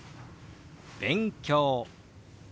「勉強」。